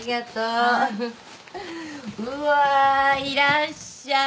うわいらっしゃい。